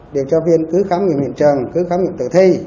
điều tra viên cứ khám nghiệm hiện trường cứ khám nghiệm tử thi